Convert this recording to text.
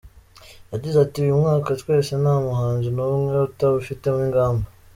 Yagize ati “Uyu mwaka twese nta muhanzi n’umwe utawufitemo ingamba.